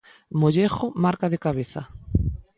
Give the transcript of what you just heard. Mollejo marca de cabeza.